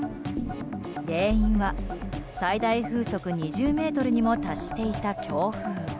原因は最大風速２０メートルにも達していた強風。